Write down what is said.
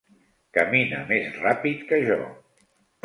Camina més ràpid que jo.